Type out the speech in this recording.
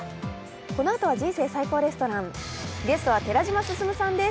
このあとは「人生最高レストラン」、ゲストは寺島進さんです。